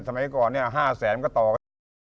สมัยก่อนเนี่ย๕๐๐๐๐๐คอมูลก็ต่อ